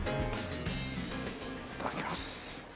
いただきます。